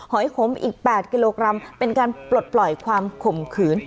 อยขมอีก๘กิโลกรัมเป็นการปลดปล่อยความข่มขืน